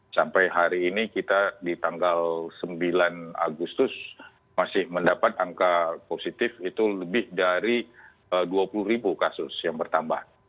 sampai hari ini kita di tanggal sembilan agustus masih mendapat angka positif itu lebih dari dua puluh ribu kasus yang bertambah